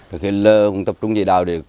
hội gia đình có nhà bị sập